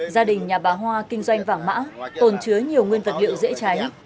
gia đình nhà bà hoa kinh doanh vàng mã tồn chứa nhiều nguyên vật liệu dễ cháy